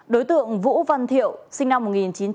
đối tượng vũ văn thiệu sinh năm một nghìn chín trăm sáu mươi tám